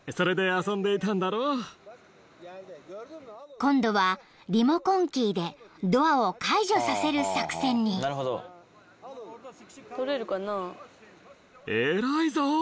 ［今度はリモコンキーでドアを解除させる作戦に］偉いぞ。